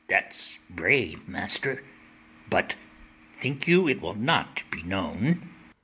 ITHAMORE. That's brave, master: but think you it will not be known?